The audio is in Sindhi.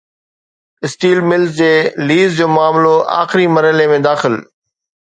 اسٽيل ملز جي ليز جو معاملو آخري مرحلي ۾ داخل